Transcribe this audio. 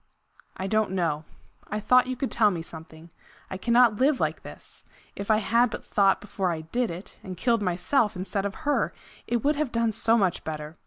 "I don't know. I thought you could tell me something. I cannot live like this! If I had but thought before I did it, and killed myself instead of her! It would have done so much better!